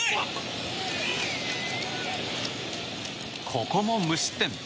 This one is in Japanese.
ここも無失点。